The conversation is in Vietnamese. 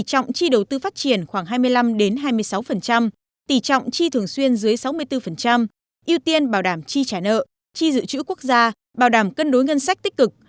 tỷ trọng chi đầu tư phát triển khoảng hai mươi năm hai mươi sáu tỷ trọng chi thường xuyên dưới sáu mươi bốn ưu tiên bảo đảm chi trả nợ chi dự trữ quốc gia bảo đảm cân đối ngân sách tích cực